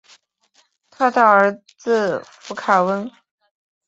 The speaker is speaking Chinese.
他的儿子是佛卡温。